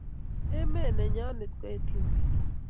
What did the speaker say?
Emet nenyonet ko Ethiopia